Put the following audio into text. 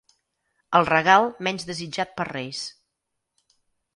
El regal menys desitjat per Reis.